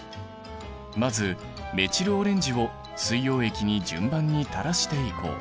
まずメチルオレンジを水溶液に順番にたらしていこう。